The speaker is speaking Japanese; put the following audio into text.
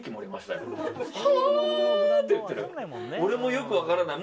俺もよく分からない。